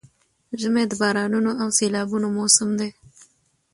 ژمی د بارانونو او سيلابونو موسم دی؛